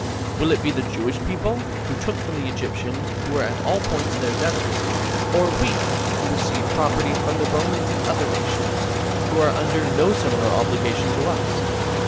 Will it be the [Jewish] people, [who took] from the Egyptians, who were at all points their debtors ; or we, [who receive property] from the Romans and other nations, who are under no similar obligation to us